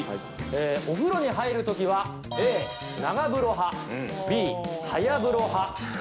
お風呂に入るときはＡ、長風呂派、Ｂ、早風呂派。